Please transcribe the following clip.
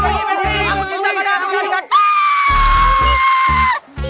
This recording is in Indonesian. bu mes si